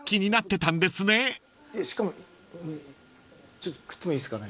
ちょっと食ってもいいっすかね。